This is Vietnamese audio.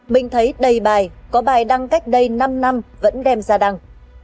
mình thấy đầy bài có bài đăng cách đây năm năm vẫn đem ra đăng